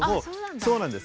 そうなんです。